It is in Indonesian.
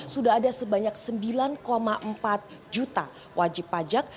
sudah ada sebanyak sembilan empat juta wajib pajak